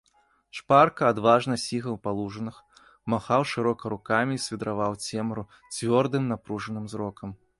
Шпарка, адважна сігаў па лужынах, махаў шырока рукамі і свідраваў цемру цвёрдым напружаным зрокам.